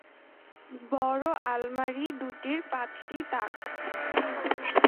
বড় আলমারি দুটির পাঁচটি তাক।